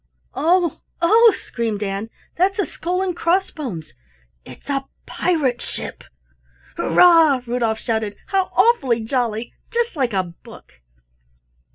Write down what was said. "Oh, oh!" screamed Ann, "that's a skull and cross bones. It's a pirate ship!" "Hurrah!" Rudolf shouted. "How awfully jolly! Just like a book."